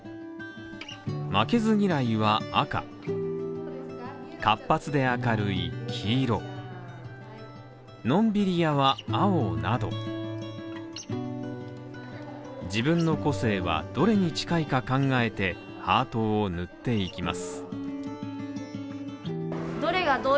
負けず嫌いは赤活発で明るい黄色のんびり屋は、青など自分の個性はどれに近いか考えてハートを塗っていきます。